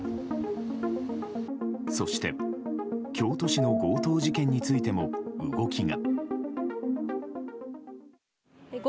そして、京都市の強盗事件についても動きが。